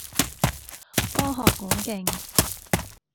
科學館徑